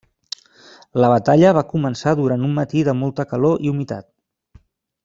La batalla va començar durant un matí de molta calor i humitat.